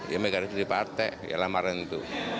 ya mereka ada di partai ya lamaran itu